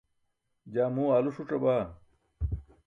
jaa muu aalu ṣuc̣abaa